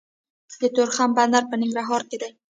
د تورخم بندر په ننګرهار کې دی